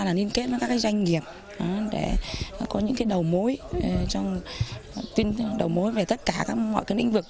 và liên kết với các doanh nghiệp để có những đầu mối về tất cả mọi ninh vực